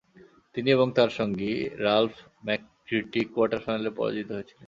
তিনি এবং তার সঙ্গী রাল্ফ ম্যাককিট্রিক কোয়ার্টার ফাইনালে পরাজিত হয়েছিলেন।